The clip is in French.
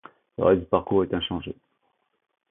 Le reste du parcours est inchangé.